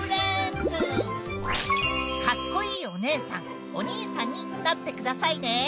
かっこいいお姉さんお兄さんになってくださいね。